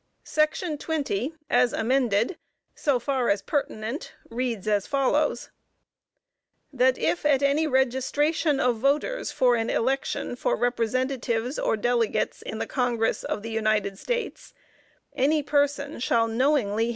Section 20, as amended, so far as pertinent, reads as follows: "That if at any registration of voters for an election for representatives or delegates in the Congress of the United States, any person shall knowingly